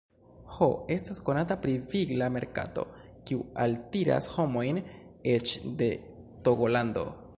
Ho estas konata pri vigla merkato, kiu altiras homojn eĉ de Togolando.